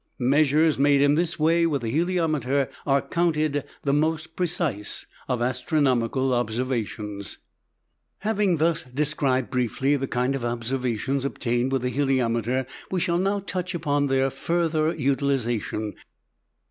Measures made in this way with the heliometer are counted the most precise of astronomical observations. Having thus described briefly the kind of observations obtained with the heliometer, we shall now touch upon their further utilization.